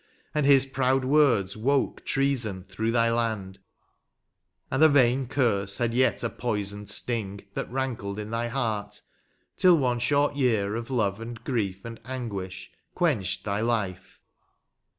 And his proud words woke treason through thy land; And the vain curse had yet a poisoned sting That rankled in thy heart; till one short year Of love, and grief, and anguish, quenched thy life.